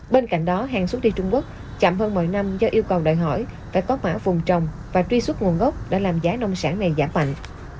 bên cạnh đó hàng xuất đi trung quốc chậm hơn mọi năm do yêu cầu đòi hỏi phải có mã vùng trồng và truy xuất nguồn gốc đã làm giá nông sản này giảm mạnh